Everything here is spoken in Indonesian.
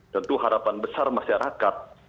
tentu harapan besar masyarakat